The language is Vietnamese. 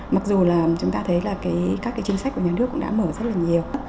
mặc dù là chúng ta thấy là các cái chính sách của nhà nước cũng đã mở rất là nhiều